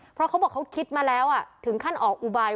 เพราะเขาบอกเขาคิดมาแล้วถึงขั้นออกอุบาย